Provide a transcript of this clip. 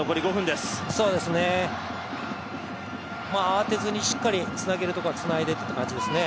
慌てずにしっかりつなげるところはつないでって感じですね。